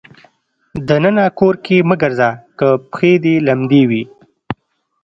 د ننه کور کې مه ګرځه که پښې دې لمدې وي.